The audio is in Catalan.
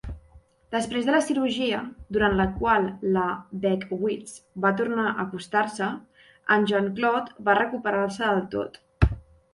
Després de la cirurgia, durant la qual la Beckwiths va tornar a acostar-se, en Jean-Claude va recuperar-se del tot.